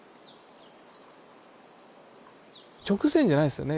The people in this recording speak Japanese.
直線じゃないんですよね